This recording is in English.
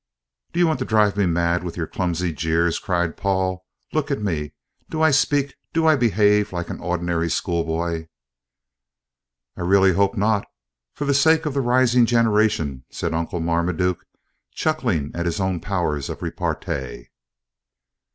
"Do you want to drive me mad with your clumsy jeers?" cried Paul. "Look at me. Do I speak, do I behave, like an ordinary schoolboy?" "I really hope not for the sake of the rising generation," said Uncle Marmaduke, chuckling at his own powers of repartee.